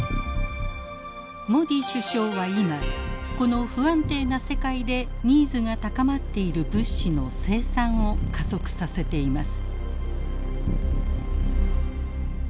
モディ首相は今この不安定な世界でニーズが高まっている物資の生産を加速させています。